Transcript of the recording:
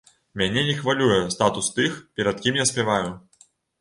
Мяне не хвалюе статус тых, перад кім я спяваю.